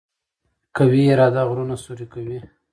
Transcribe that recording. قوي اراده غرونه سوري کوي.